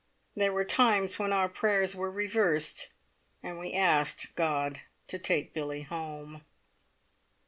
There were times when our prayers were reversed, and we asked God to take Billie home!